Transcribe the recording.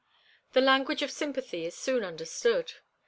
The language of sympathy is soon understood.